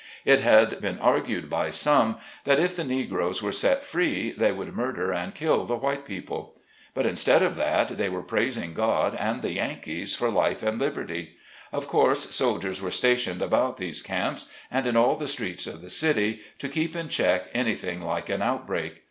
It had been argued by some that, if the Negroes were set free they would murder and kill the white people. But instead of that, they were praising God and the Yankees for life and liberty. Of course, soldiers were stationed about these camps, and in all the streets of the city, to keep in check anything like an outbreak.